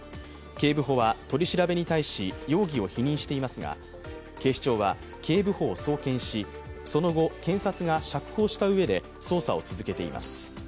警部補は取り調べに対し、容疑を否認していますが、警視庁は、警部補を送検し、その後、検察が釈放したうえで捜査を続けています。